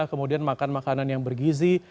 kemudian makan makanan yang bergizi